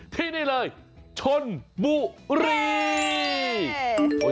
ที่นี่เลยชนบุรี